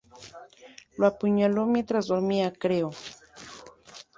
Lo apuñaló mientras dormía, creo.